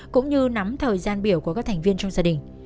cũng như nắm thời gian biểu của các thành viên trong gia đình